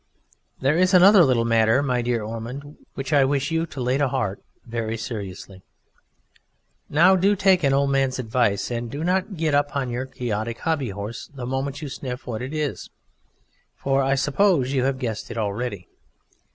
There is another little matter, my dear Ormond, which I wish you to lay to heart very seriously. Now do take an old man's advice and do not get up upon your Quixotic hobby horse the moment you sniff what it is for I suppose you have guessed it already.